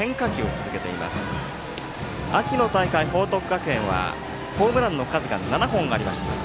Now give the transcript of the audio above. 秋の大会、報徳学園はホームランの数が７本ありました。